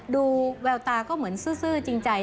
ดูแววตาก็เหมือนซื่อจริงใจ